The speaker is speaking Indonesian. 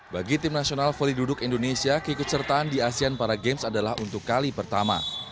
bagi tim nasional volley duduk indonesia keikutsertaan di asean para games adalah untuk kali pertama